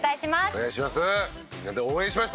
お願いします。